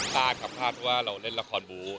ต้าครับพลาดว่าเราเล่นละครบู